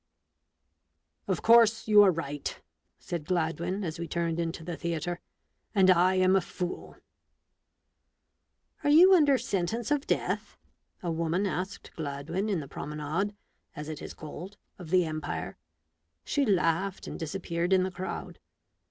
" Of course you are right," said Gladwin, as we turned into the theatre ;" and I am a fool !" M Are you under sentence of death ?" a woman asked Gladwin in the promenade, as it is called, of the Empire. She laughed, and disappeared in the crowd.